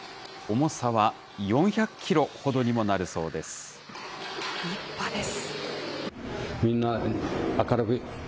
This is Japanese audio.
重さは４００キロほどにもなるそうです。